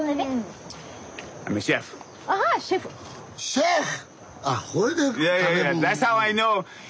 シェフ！